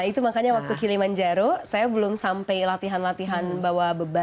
ada nah itu makanya waktu kilimanjaro saya belum sampai latihan latihan bawa beban